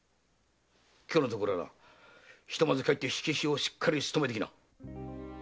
今日のところはひとまず帰って火消しをしっかり務めてきな。